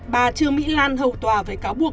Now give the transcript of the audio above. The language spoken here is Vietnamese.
bà trương mỹ lan hầu tòa về cáo buộc